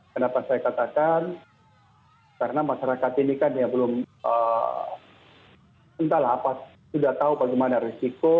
kenapa saya katakan karena masyarakat ini kan ya belum entah lah apa sudah tahu bagaimana risiko